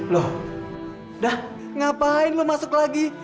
loh dah ngapain lo masuk lagi